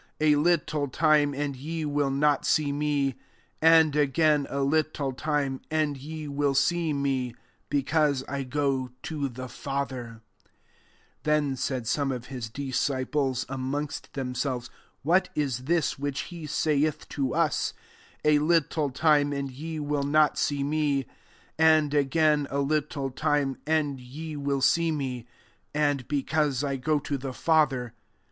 16 A little time, and ye will not see me;^ and s^ain, a little time, and ye will see me ; [be* cause I go to the Father]." 17 Then said Bome of bis disciples, amongst themselvesy. <^ What is this which he saithi to us, <A little time, and ye will not see me : and again, a little time, and ye will see me :' and,. ' Because 1 go to the Fa ther?'"